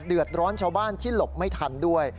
เดือดร้อนชาวบ้านที่หลบไม่ทันด้วย